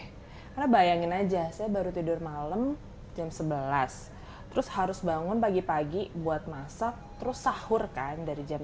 karena bayangin aja saya baru tidur malam jam sebelas terus harus bangun pagi pagi buat masak terus sahur kan dari jam